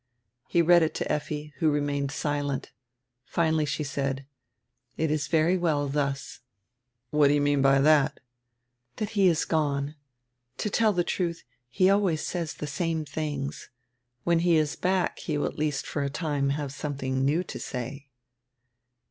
He read it to Effi, who remained silent. Finally she said: "It is very well thus." "What do you mean by that! " "That he is gone. To tell die trudi, he always says die same tilings. When he is back he will at least for a time have some tiling new to say."